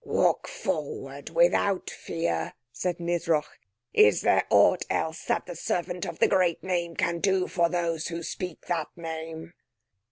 "Walk forward without fear," said Nisroch. "Is there aught else that the Servant of the great Name can do for those who speak that name?"